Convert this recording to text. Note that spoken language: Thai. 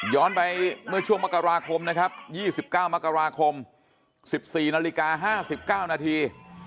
ไปเมื่อช่วงมกราคมนะครับ๒๙มกราคม๑๔นาฬิกา๕๙นาที